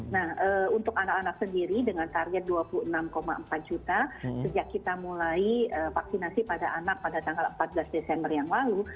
nah untuk anak anak sendiri dengan target dua puluh enam empat juta sejak kita mulai vaksinasi pada anak pada tanggal empat belas desember yang lalu